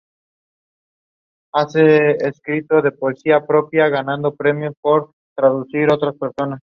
Es reconocido por su larga barba y su energía en el escenario.